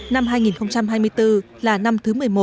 năm hai nghìn hai mươi bốn là năm thứ một mươi một